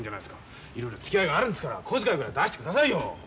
いろいろつきあいがあるんですから小遣いぐらい出してくださいよ。